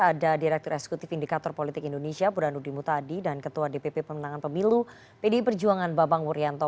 ada direktur eksekutif indikator politik indonesia burhanuddin mutadi dan ketua dpp pemenangan pemilu pdi perjuangan babang wuryanto